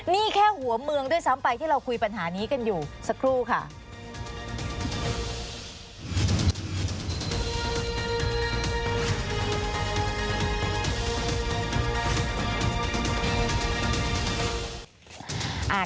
นี่แค่หัวเมืองด้วยซ้ำไปที่เราคุยปัญหานี้กันอยู่สักครู่ค่ะ